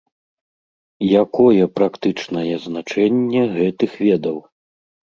Якое практычнае значэнне гэтых ведаў?